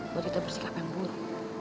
buat kita bersikap yang buruk